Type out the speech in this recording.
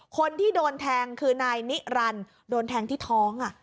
คนที่โดนแทงคือนายนิรันดิ์โดนแทงที่ท้อง